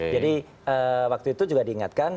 jadi waktu itu juga diingatkan